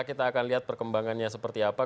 kita akan lihat perkembangannya seperti apa